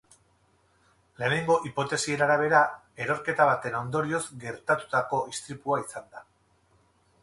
Lehenengo hipotesien arabera, erorketa baten ondorioz gertatutako istripua izan da.